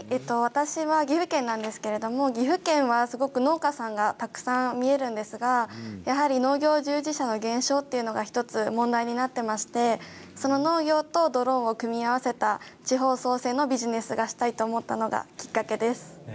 私は岐阜県ですが岐阜県は農家さんがたくさん見えるんですが農業従事者の減少というのが１つ問題になっていましてその農業とドローンを組み合わせた地方創生のビジネスがしたいと思ったのがきっかけです。